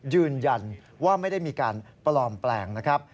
ยืนยันว่าไม่ได้มีการปลอมแปลงนะครับ